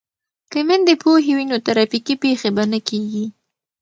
که میندې پوهې وي نو ترافیکي پیښې به نه کیږي.